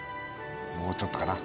もうちょっとかな